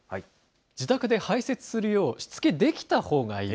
自宅で排せつするよう、しつけできたほうがいい。